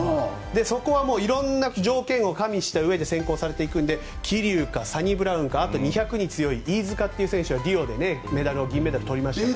そこは色んな条件を加味して選考されていくので桐生かサニブラウンかあと２００ｍに強い飯塚選手がリオで銀メダル取りました。